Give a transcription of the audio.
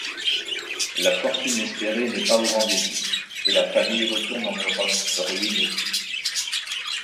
La fortune espérée n’est pas au rendez-vous, et la famille retourne en Europe, ruinée.